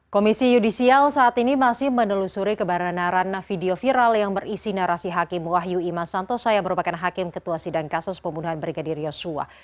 komisi yudisial saat ini masih menelusuri kebaran naran video viral yang berisi narasi hakim wahyu iman santosa yang merupakan hakim ketua sidang kasus pembunuhan brigadir yosua